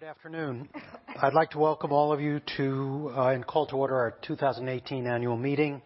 Good afternoon. I'd like to welcome all of you and call to order our 2018 annual meeting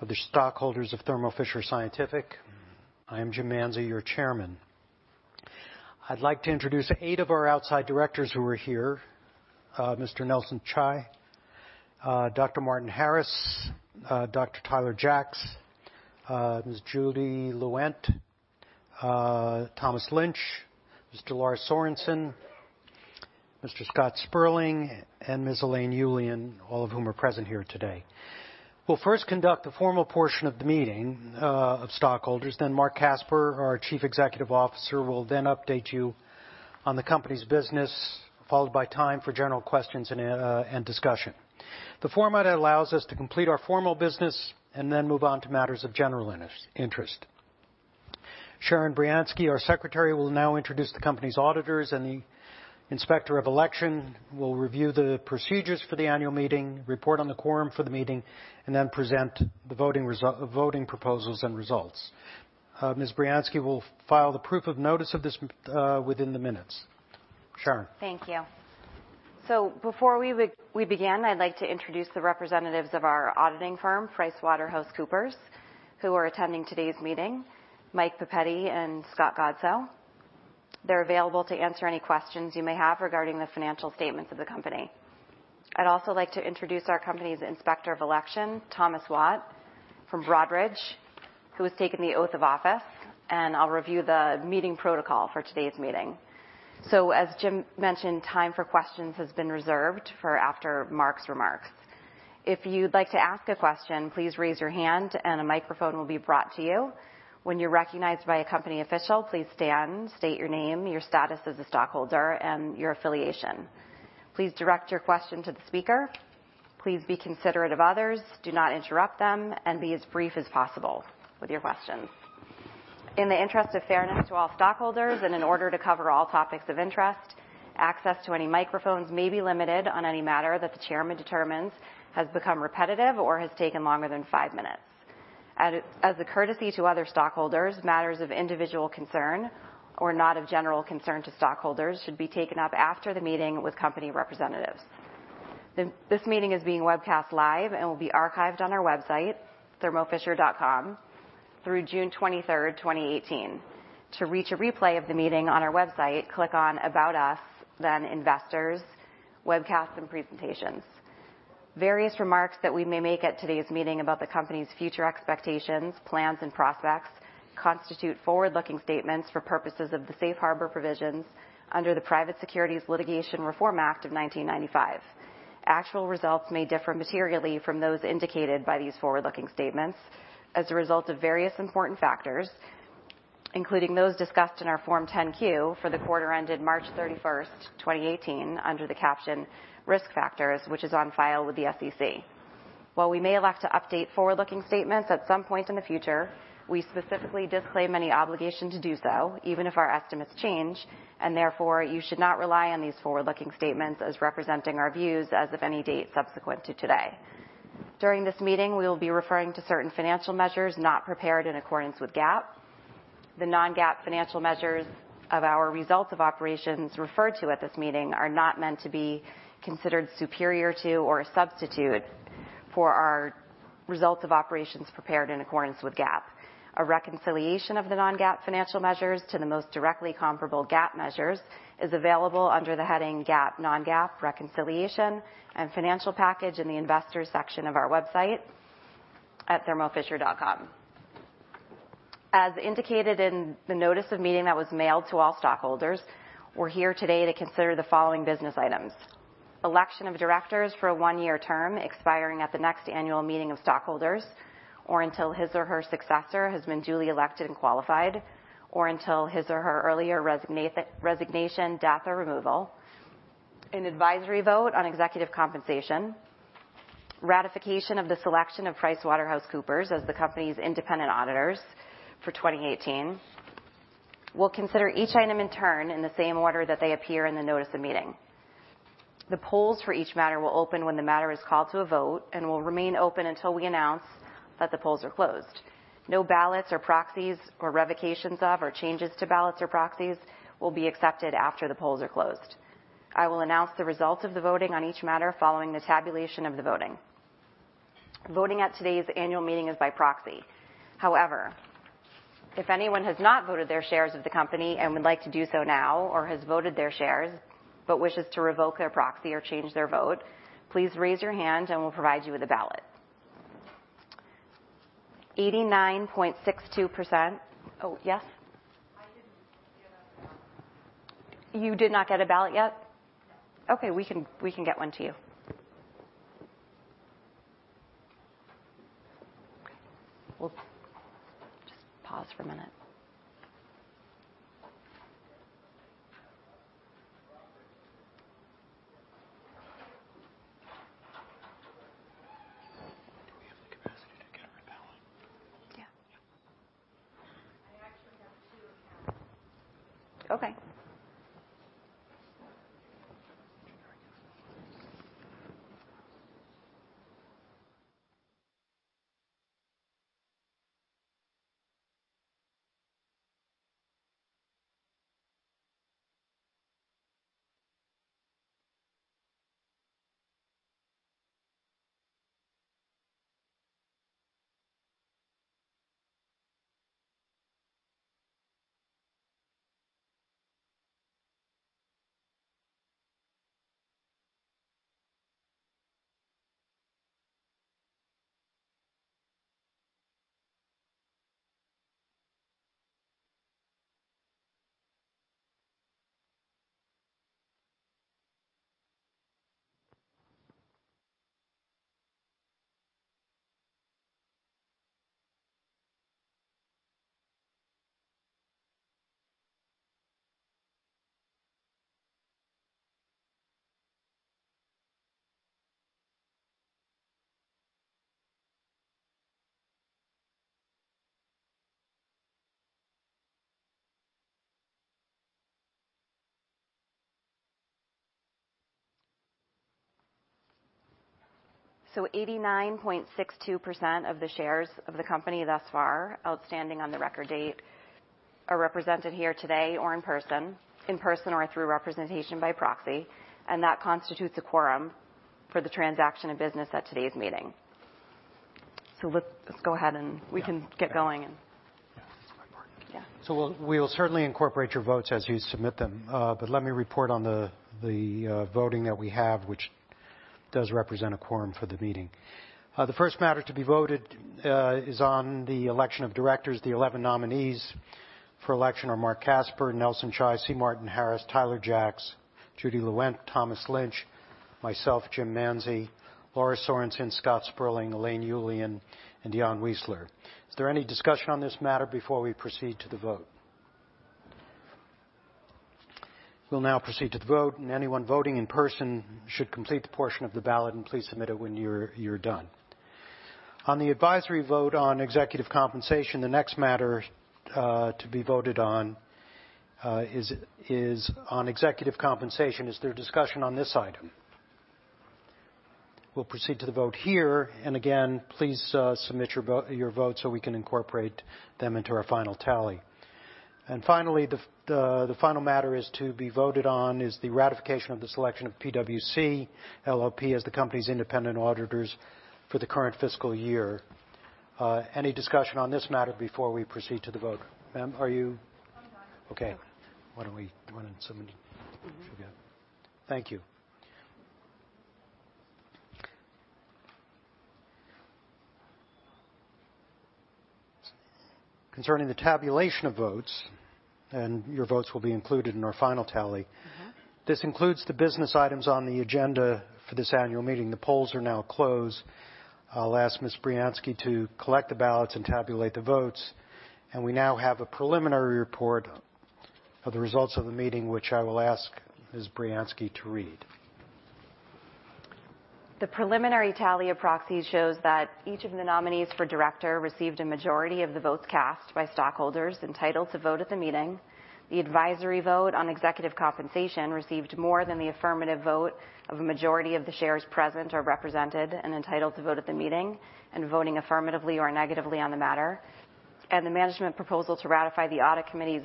of the stockholders of Thermo Fisher Scientific. I'm Jim Manzi, your Chairman. I'd like to introduce eight of our outside Directors who are here. Mr. Nelson Chai, Dr. Martin Harris, Dr. Tyler Jacks, Ms. Judy Lewent, Thomas Lynch, Mr. Lars Sørensen, Mr. Scott Sperling, and Ms. Elaine Ullian, all of whom are present here today. We'll first conduct the formal portion of the meeting of stockholders, then Marc Casper, our Chief Executive Officer, will then update you on the company's business, followed by time for general questions and discussion. The format allows us to complete our formal business and then move on to matters of general interest. Sharon Briansky, our Secretary, will now introduce the company's auditors, and the Inspector of Election will review the procedures for the annual meeting, report on the quorum for the meeting, and then present the voting proposals and results. Ms. Briansky will file the proof of notice of this within the minutes. Sharon. Thank you. Before we begin, I'd like to introduce the representatives of our auditing firm, PricewaterhouseCoopers, who are attending today's meeting, Michael Papetti and Scott Godsell. They're available to answer any questions you may have regarding the financial statements of the company. I'd also like to introduce our company's Inspector of Election, Thomas Watt from Broadridge, who has taken the oath of office, and I'll review the meeting protocol for today's meeting. As Jim mentioned, time for questions has been reserved for after Marc's remarks. If you'd like to ask a question, please raise your hand and a microphone will be brought to you. When you're recognized by a company official, please stand, state your name, your status as a stockholder, and your affiliation. Please direct your question to the speaker. Please be considerate of others. Do not interrupt them, and be as brief as possible with your questions. In the interest of fairness to all stockholders and in order to cover all topics of interest, access to any microphones may be limited on any matter that the Chairman determines has become repetitive or has taken longer than five minutes. As a courtesy to other stockholders, matters of individual concern or not of general concern to stockholders should be taken up after the meeting with company representatives. This meeting is being webcast live and will be archived on our website, thermofisher.com, through June 23rd, 2018. To reach a replay of the meeting on our website, click on About Us, then Investors, Webcasts and Presentations. Various remarks that we may make at today's meeting about the company's future expectations, plans, and prospects constitute forward-looking statements for purposes of the Safe Harbor Provisions under the Private Securities Litigation Reform Act of 1995. Actual results may differ materially from those indicated by these forward-looking statements as a result of various important factors, including those discussed in our Form 10-Q for the quarter ended March 31st, 2018, under the caption Risk Factors, which is on file with the SEC. While we may elect to update forward-looking statements at some point in the future, we specifically disclaim any obligation to do so, even if our estimates change. Therefore, you should not rely on these forward-looking statements as representing our views as of any date subsequent to today. During this meeting, we will be referring to certain financial measures not prepared in accordance with GAAP. The non-GAAP financial measures of our results of operations referred to at this meeting are not meant to be considered superior to or a substitute for our results of operations prepared in accordance with GAAP. A reconciliation of the non-GAAP financial measures to the most directly comparable GAAP measures is available under the heading GAAP, non-GAAP Reconciliation and Financial Package in the Investors section of our website at thermofisher.com. As indicated in the notice of meeting that was mailed to all stockholders, we're here today to consider the following business items: election of directors for a one-year term expiring at the next annual meeting of stockholders, or until his or her successor has been duly elected and qualified, or until his or her earlier resignation, death, or removal. An advisory vote on executive compensation. Ratification of the selection of PricewaterhouseCoopers as the company's independent auditors for 2018. We'll consider each item in turn in the same order that they appear in the notice of meeting. The polls for each matter will open when the matter is called to a vote and will remain open until we announce that the polls are closed. No ballots or proxies or revocations of, or changes to ballots or proxies will be accepted after the polls are closed. I will announce the results of the voting on each matter following the tabulation of the voting. Voting at today's annual meeting is by proxy. However, if anyone has not voted their shares of the company and would like to do so now, or has voted their shares but wishes to revoke their proxy or change their vote, please raise your hand and we'll provide you with a ballot. 89.62%. Oh, yes? I didn't get a ballot. You did not get a ballot yet? No. Okay. We can get one to you. Okay. We'll just pause for a minute. Do we have the capacity to get her a ballot? Yeah. Yeah. I actually have two accounts. Okay. 89.62% of the shares of the company thus far, outstanding on the record date, are represented here today or in person, or through representation by proxy, and that constitutes a quorum for the transaction of business at today's meeting. Let's go ahead, and we can get going. Yeah. Yeah. We will certainly incorporate your votes as you submit them, but let me report on the voting that we have, which does represent a quorum for the meeting. The first matter to be voted is on the election of directors. The 11 nominees for election are Marc Casper, Nelson Chai, C. Martin Harris, Tyler Jacks, Judy Lewent, Thomas Lynch, myself, Jim Manzi, Lars Sørensen, Scott Sperling, Elaine Ullian, and Dion Weisler. Is there any discussion on this matter before we proceed to the vote? We'll now proceed to the vote, and anyone voting in person should complete the portion of the ballot, and please submit it when you're done. On the advisory vote on executive compensation, the next matter to be voted on is on executive compensation. Is there discussion on this item? We'll proceed to the vote here. Again, please submit your vote so we can incorporate them into our final tally. Finally, the final matter is to be voted on is the ratification of the selection of PwC LLP as the company's independent auditors for the current fiscal year. Any discussion on this matter before we proceed to the vote? Ma'am, are you- I'm fine. Okay. Why don't we? Do you want to submit? Thank you. Concerning the tabulation of votes, your votes will be included in our final tally. This includes the business items on the agenda for this annual meeting. The polls are now closed. I'll ask Ms. Briansky to collect the ballots and tabulate the votes, we now have a preliminary report of the results of the meeting, which I will ask Ms.Briansky to read. The preliminary tally of proxies shows that each of the nominees for director received a majority of the votes cast by stockholders entitled to vote at the meeting. The advisory vote on executive compensation received more than the affirmative vote of a majority of the shares present or represented and entitled to vote at the meeting and voting affirmatively or negatively on the matter. The management proposal to ratify the audit committee's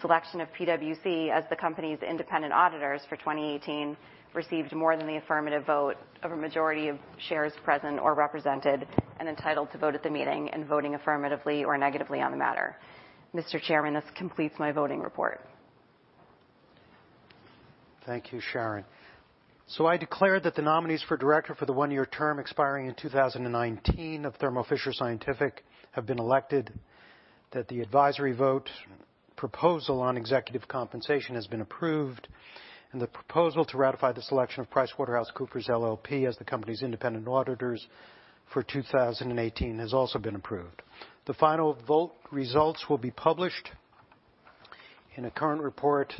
selection of PwC as the company's independent auditors for 2018 received more than the affirmative vote of a majority of shares present or represented and entitled to vote at the meeting and voting affirmatively or negatively on the matter. Mr. Chairman, this completes my voting report. Thank you, Sharon. I declare that the nominees for director for the one-year term expiring in 2019 of Thermo Fisher Scientific have been elected, that the advisory vote proposal on executive compensation has been approved, and the proposal to ratify the selection of PricewaterhouseCoopers LLP as the company's independent auditors for 2018 has also been approved. The final vote results will be published in a current report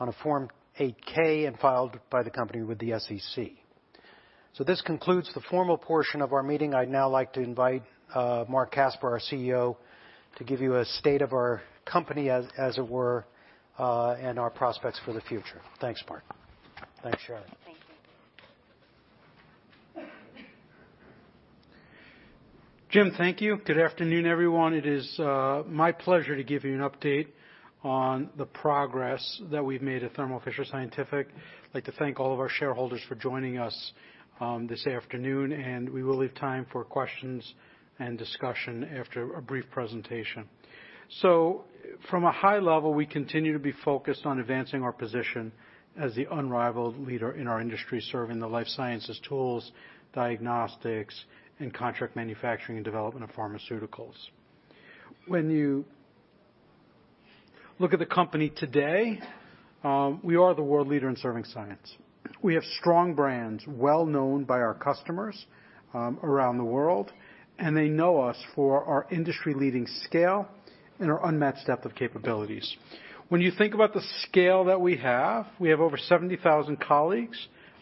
on a Form 8-K and filed by the company with the SEC. This concludes the formal portion of our meeting. I'd now like to invite Marc Casper, our CEO, to give you a state of our company, as it were, and our prospects for the future. Thanks, Marc. Thanks, Sharon. Thank you. Jim, thank you. Good afternoon, everyone. It is my pleasure to give you an update on the progress that we've made at Thermo Fisher Scientific. I'd like to thank all of our shareholders for joining us this afternoon, and we will leave time for questions and discussion after a brief presentation. From a high level, we continue to be focused on advancing our position as the unrivaled leader in our industry, serving the life sciences tools, diagnostics, and contract manufacturing and development of pharmaceuticals. When you look at the company today, we are the world leader in serving science. We have strong brands, well known by our customers around the world, and they know us for our industry-leading scale and our unmatched depth of capabilities. When you think about the scale that we have, we have over 70,000 colleagues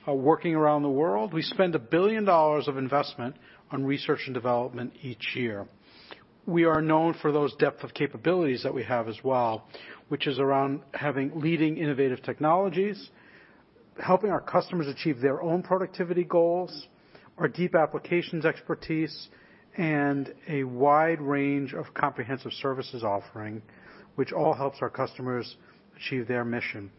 working around the world. We spend $1 billion of investment on research and development each year. We are known for those depth of capabilities that we have as well, which is around having leading innovative technologies Helping our customers achieve their own productivity goals, our deep applications expertise, and a wide range of comprehensive services offering, which all helps our customers achieve their mission.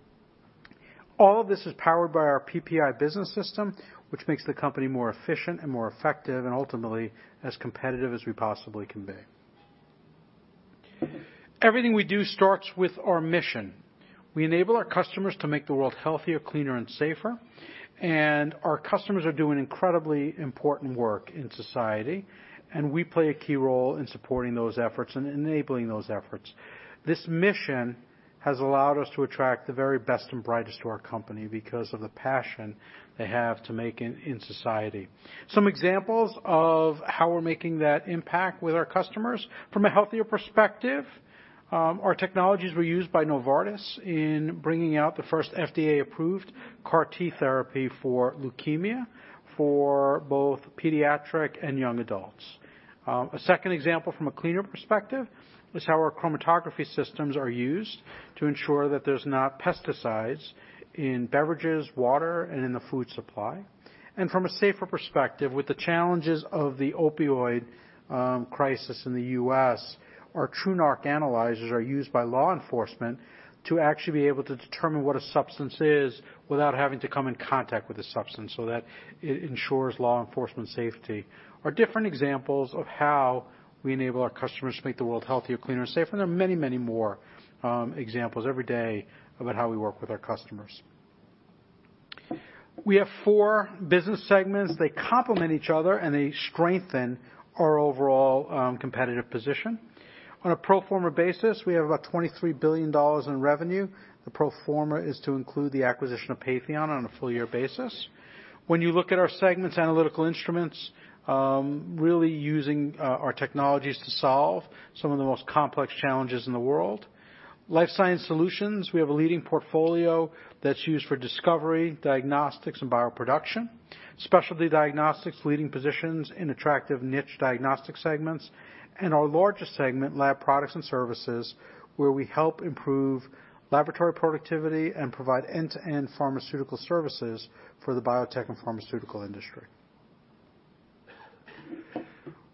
All of this is powered by our PPI business system, which makes the company more efficient and more effective, and ultimately, as competitive as we possibly can be. Everything we do starts with our mission. We enable our customers to make the world healthier, cleaner, and safer, and our customers are doing incredibly important work in society, and we play a key role in supporting those efforts and enabling those efforts. This mission has allowed us to attract the very best and brightest to our company because of the passion they have to make in society. Some examples of how we're making that impact with our customers from a healthier perspective, our technologies were used by Novartis in bringing out the first FDA-approved CAR T therapy for leukemia for both pediatric and young adults. A second example from a cleaner perspective is how our chromatography systems are used to ensure that there's not pesticides in beverages, water, and in the food supply. From a safer perspective, with the challenges of the opioid crisis in the U.S., our TruNarc analyzers are used by law enforcement to actually be able to determine what a substance is without having to come in contact with the substance, so that it ensures law enforcement safety, are different examples of how we enable our customers to make the world healthier, cleaner, and safer. There are many more examples every day about how we work with our customers. We have four business segments. They complement each other and they strengthen our overall competitive position. On a pro forma basis, we have about $23 billion in revenue. The pro forma is to include the acquisition of Patheon on a full year basis. When you look at our segments, Analytical Instruments, really using our technologies to solve some of the most complex challenges in the world. Life Science Solutions, we have a leading portfolio that's used for discovery, diagnostics, and bioproduction. Specialty Diagnostics, leading positions in attractive niche diagnostic segments. Our largest segment, Lab Products and Services, where we help improve laboratory productivity and provide end-to-end pharmaceutical services for the biotech and pharmaceutical industry.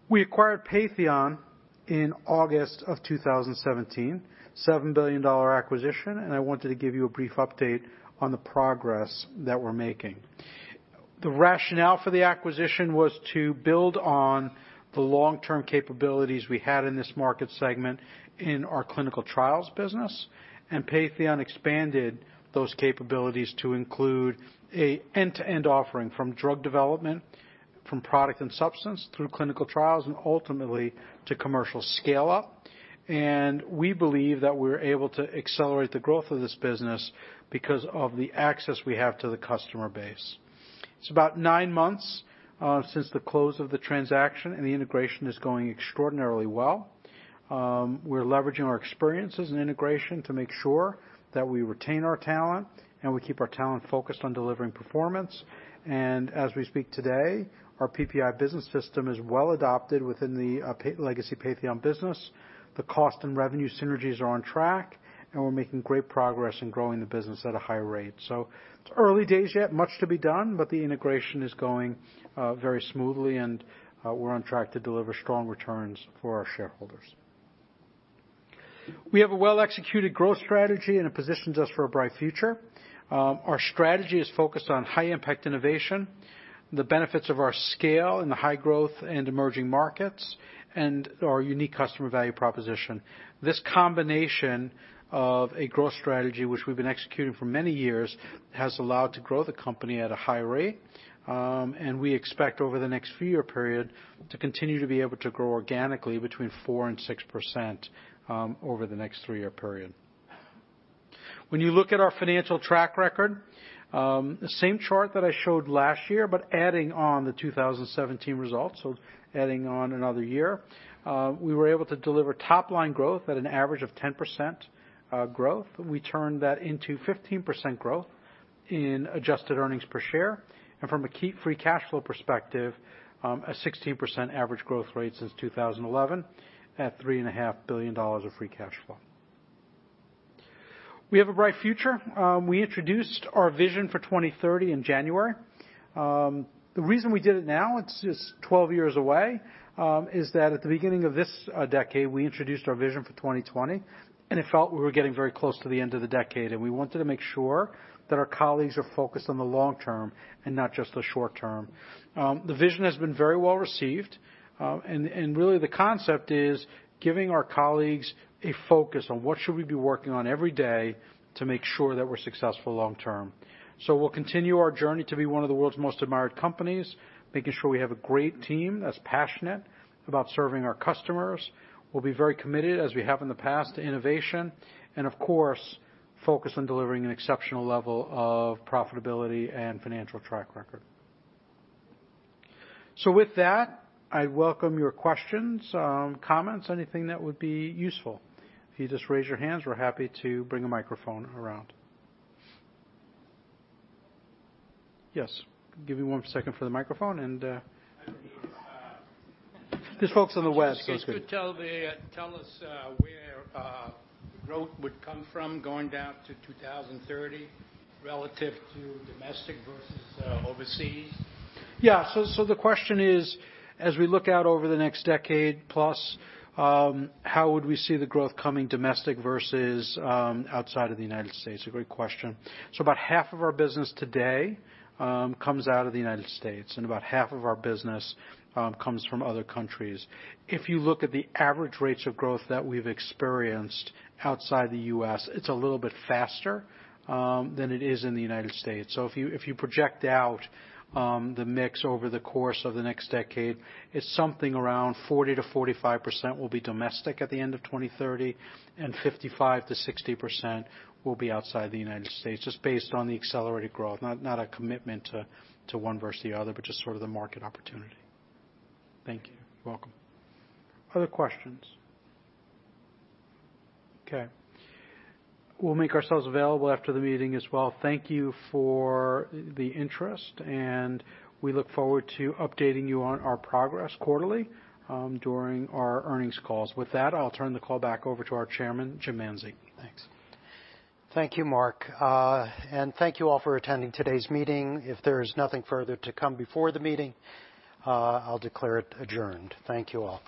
We acquired Patheon in August of 2017, $7 billion acquisition, and I wanted to give you a brief update on the progress that we're making. The rationale for the acquisition was to build on the long-term capabilities we had in this market segment in our clinical trials business, and Patheon expanded those capabilities to include an end-to-end offering from drug development, from product and substance through clinical trials, and ultimately to commercial scale-up. We believe that we're able to accelerate the growth of this business because of the access we have to the customer base. It's about nine months since the close of the transaction, and the integration is going extraordinarily well. We're leveraging our experiences and integration to make sure that we retain our talent and we keep our talent focused on delivering performance. As we speak today, our PPI business system is well adopted within the legacy Patheon business. The cost and revenue synergies are on track, and we're making great progress in growing the business at a high rate. It's early days yet, much to be done, but the integration is going very smoothly and we're on track to deliver strong returns for our shareholders. We have a well-executed growth strategy and it positions us for a bright future. Our strategy is focused on high impact innovation, the benefits of our scale in the high growth and emerging markets, and our unique customer value proposition. This combination of a growth strategy, which we've been executing for many years, has allowed to grow the company at a high rate. We expect over the next few year period to continue to be able to grow organically between 4% and 6% over the next three-year period. When you look at our financial track record, the same chart that I showed last year, but adding on the 2017 results, adding on another year. We were able to deliver top-line growth at an average of 10% growth. We turned that into 15% growth in adjusted earnings per share. From a keep free cash flow perspective, a 16% average growth rate since 2011 at $3.5 billion of free cash flow. We have a bright future. We introduced our vision for 2030 in January. The reason we did it now, it's just 12 years away, is that at the beginning of this decade, we introduced our vision for 2020. It felt we were getting very close to the end of the decade, and we wanted to make sure that our colleagues are focused on the long term and not just the short term. The vision has been very well received. Really, the concept is giving our colleagues a focus on what should we be working on every day to make sure that we're successful long term. We'll continue our journey to be one of the world's most admired companies, making sure we have a great team that's passionate about serving our customers. We'll be very committed, as we have in the past, to innovation, and of course, focused on delivering an exceptional level of profitability and financial track record. With that, I welcome your questions, comments, anything that would be useful. If you just raise your hands, we're happy to bring a microphone around. Yes. Give you one second for the microphone. I'm here. There's folks on the west coast Could you tell us where growth would come from going down to 2030 relative to domestic versus overseas? Yeah. The question is, as we look out over the next decade plus, how would we see the growth coming domestic versus outside of the United States? A great question. About half of our business today comes out of the United States, and about half of our business comes from other countries. If you look at the average rates of growth that we've experienced outside the U.S., it's a little bit faster than it is in the United States. If you project out the mix over the course of the next decade, it's something around 40%-45% will be domestic at the end of 2030, and 55%-60% will be outside the United States, just based on the accelerated growth. Not a commitment to one versus the other, but just sort of the market opportunity. Thank you. You're welcome. Other questions? Okay. We'll make ourselves available after the meeting as well. Thank you for the interest. We look forward to updating you on our progress quarterly, during our earnings calls. With that, I'll turn the call back over to our Chairman, Jim Manzi. Thanks. Thank you, Marc. Thank you all for attending today's meeting. If there is nothing further to come before the meeting, I'll declare it adjourned. Thank you all.